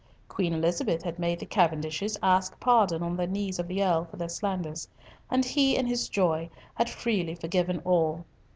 Queen Elizabeth had made the Cavendishes ask pardon on their knees of the Earl for their slanders; and he, in his joy, had freely forgiven all.